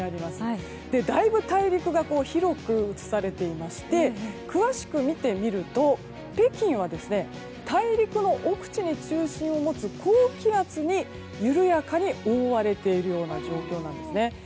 だいぶ大陸が広く映されていまして詳しく見てみると北京は大陸の奥地に中心を持つ高気圧に緩やかに覆われているような状況なんですね。